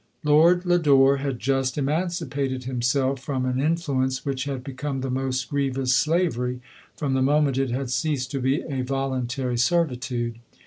Lord Lodore had just emancipated himself from an influence, which had become the most orievous slavery, from the moment it had ceased to be a voluntary servitude.